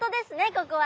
ここは。